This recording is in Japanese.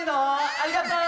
ありがとう！